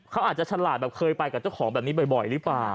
เขาอาจจะชะลาดเคยไปกับเจ้าของได้บ่อยหรือเปล่า